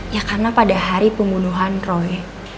ya karena pada hari pembunuhan roy